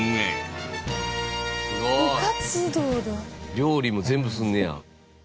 料理も全部すんねや。